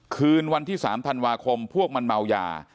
คืนวันที่๓ธคพวกมันเมาหยา